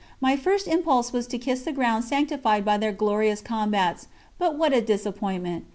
My first impulse was to kiss the ground sanctified by their glorious combats. But what a disappointment!